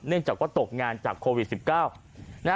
เนื่องจากก็ตกงานจากโควิด๑๙